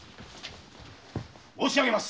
申し上げます。